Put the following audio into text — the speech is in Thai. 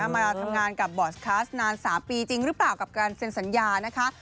มาทำงานกับบอสคลาสนาน๓ปีจริงหรือเปล่ากับการเซ็นสัญญานะคะ